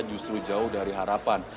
justru jauh dari harapan